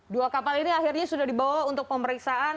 dua kapal ini akhirnya sudah dibawa untuk pemeriksaan